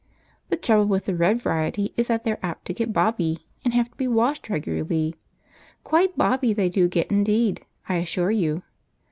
The trouble with the red variety is that they're apt to get "bobby" and have to be washed regularly; quite bobby they do get indeed, I assure you.